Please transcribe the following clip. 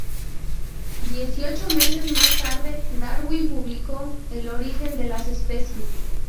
Dieciocho meses más tarde Darwin publicó "El origen de las especies".